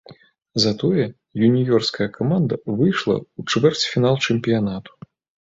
Затое юніёрская каманда выйшла ў чвэрцьфінал чэмпіянату.